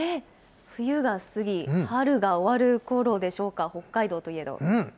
冬が過ぎ、春が終わるころでしょうか、北海道といえど。